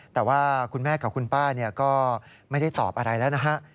แต่ว่าคุณแม่กับคุณป้าก็ไม่ได้ตอบอะไรแล้วนะฮะ